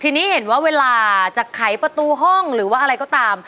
ทีนี้เห็นว่าเวลาจะไขประตูห้องหรือว่าอะไรก็ตาม